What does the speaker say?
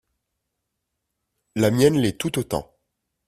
La mienne l’est tout autant.